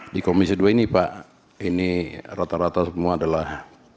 di komisi dua ini pak ini rata rata semua adalah